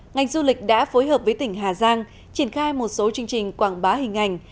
ngành du lịch đã phối hợp với tỉnh hà giang triển khai một số chương trình quảng bá hình ảnh